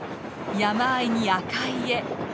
山あいに赤い家。